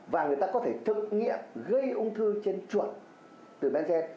và người ta có thể thực nghiệm gây ung thư trên chuột từ benzene